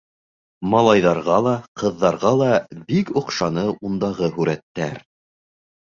Малайҙарға ла, ҡыҙҙарға ла бик оҡшаны ундағы һүрәттәр.